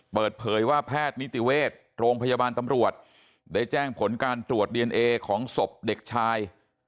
เปิดเผยว่าแพทย์นิติเวชโรงพยาบาลตำรวจได้แจ้งผลการตรวจดีเอนเอของศพเด็กชาย